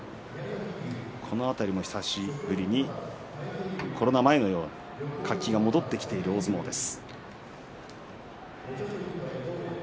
久しぶりにコロナ前のように活気が戻ってきている大相撲です。